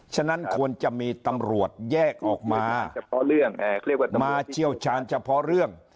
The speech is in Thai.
ฉะนั้นควรจะมีตำรวจแยกออกมามาเจี้ยวชาญเฉพาะเรื่อง